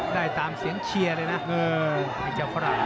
ได้ตามเสียงเชียร์เลยนะไอ้เจ้าฝรั่ง